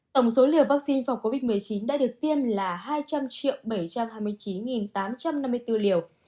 tổng số liều vaccine phòng covid một mươi chín đã được tiêm là hai trăm linh bảy trăm hai mươi chín tám trăm năm mươi bốn liều